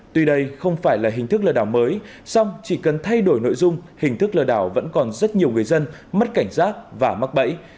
tuy đây không phải là hình thức lừa đảo mới song chỉ cần thay đổi nội dung hình thức lừa đảo vẫn còn rất nhiều người dân mất cảnh giác và mắc bẫy